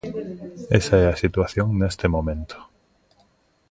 Esa é a situación neste momento.